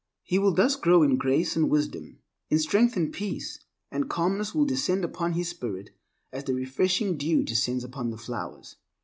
He will thus grow in grace and wisdom, in strength and peace, and calmness will descend upon his spirit as the refreshing dew descends upon the flowers.